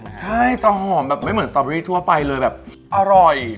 ใช่จะหอมแบบไม่เหมือนสตอเบอรี่ทั่วไปเลยแบบอร่อย